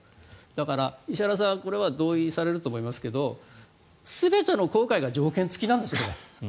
だから石原さんこれは同意されると思いますけど全ての航海が条件付きなんです。